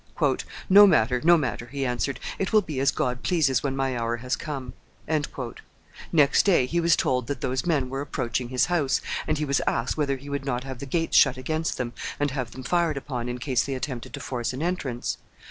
"No matter, no matter," he answered; "it will be as God pleases when my hour has come." Next day he was told that those men were approaching his house, and he was asked whether he would not have the gates shut against them, and have them fired upon, in case they attempted to force an entrance.